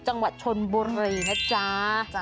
จังหวัดชนบรัยนะจ้า